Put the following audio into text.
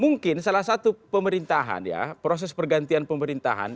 mungkin salah satu pemerintahan ya proses pergantian pemerintahan